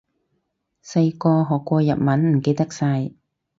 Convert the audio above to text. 細個學過日文，唔記得晒